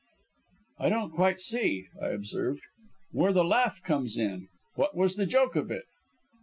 "I don't quite see," I observed, "where the laugh comes in. What was the joke of it?"